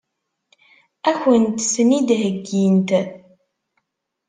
Ad kent-ten-id-heggint?